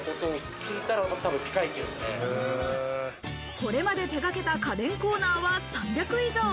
これまで手がけた家電コーナーは３００以上。